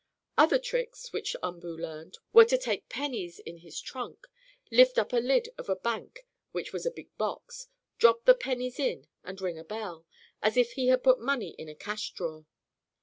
Other tricks, which Umboo learned, were to take pennies in his trunk, lift up a lid of a "bank," which was a big box, drop the pennies in and ring a bell, as if he had put money in a cash drawer.